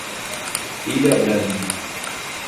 Ilha Grande